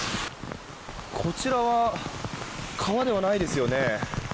こちらは川ではないですよね。